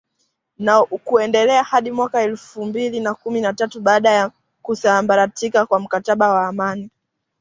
na kuendelea hadi mwaka elfu mbili na kumi na tatu baada ya kusambaratika kwa mkataba wa amani